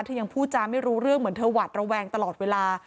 ยังพูดจาไม่รู้เรื่องเหมือนเธอหวัดระแวงตลอดเวลา